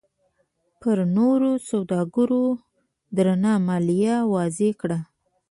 پر نویو سوداګرو درنه مالیه وضعه کړه.